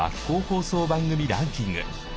放送番組ランキング。